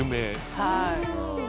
はい。